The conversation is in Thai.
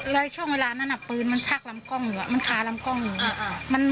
แล้วช่วงเวลานั้นปืนมันชากลำกล้องเหนือมันคล้าลำกล้องเหนือ